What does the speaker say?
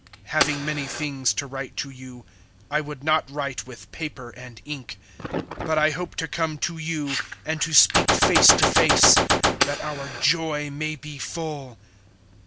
(12)Having many things to write to you, I would not [write] with paper and ink; but I hope to come to you, and to speak face to face, that our joy may be full.